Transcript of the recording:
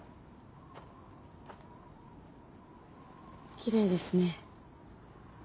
奇麗ですね。